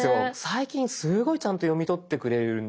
最近すごいちゃんと読み取ってくれるんで。